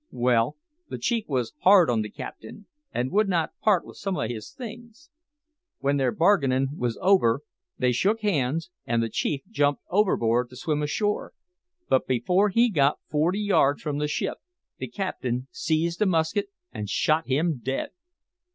Well, the chief was hard on the captain, and would not part with some o' his things. When their bargainin' was over they shook hands, and the chief jumped overboard to swim ashore; but before he got forty yards from the ship, the captain seized a musket and shot him dead.